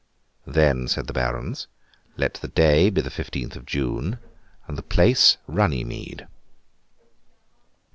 'Then,' said the Barons, 'let the day be the fifteenth of June, and the place, Runny Mead.